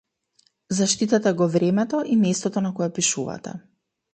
Заштитете го времето и местото на кое пишувате.